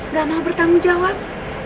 nggak mau bertanggung jawab